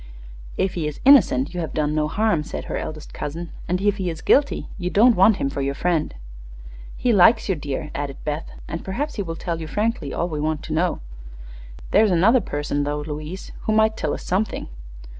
"If he is innocent, you have done no harm," said her eldest cousin; "and if he is guilty you don't want him for your friend." "He likes you, dear," added Beth, "and perhaps he will tell you frankly all we want to know. There's another person, though, Louise, who might tell us something."